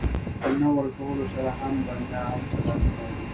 په نه ورکولو سره هم بنده هر څه لاسته راوړي.